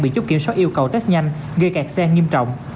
bị chút kiểm soát yêu cầu test nhanh gây cạt xe nghiêm trọng